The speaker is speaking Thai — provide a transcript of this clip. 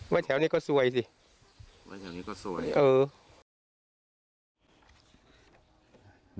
แถวนี้ก็ซวยสิมาแถวนี้ก็ซวยเออ